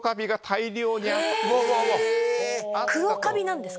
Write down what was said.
黒カビなんですか